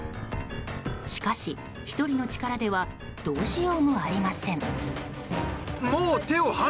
しかし、１人の力ではどうしようもありません。